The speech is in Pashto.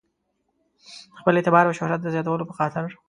د خپل اعتبار او شهرت د زیاتولو په خاطر.